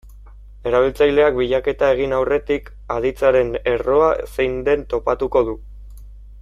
Erabiltzaileak bilaketa egin aurretik, aditzaren erroa zein den topatuko du.